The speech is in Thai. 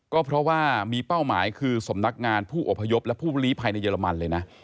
ก็เพราะว่ามีเป้าหมายคือสำนักงานผู้อพยพและผู้ลีภัยในเรมันเลยนะ